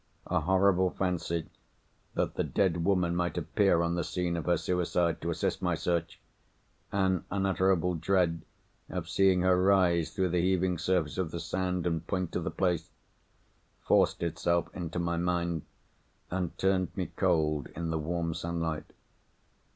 A horrible fancy that the dead woman might appear on the scene of her suicide, to assist my search—an unutterable dread of seeing her rise through the heaving surface of the sand, and point to the place—forced itself into my mind, and turned me cold in the warm sunlight.